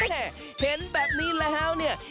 เห็นแบบนี้แล้วเนี่ย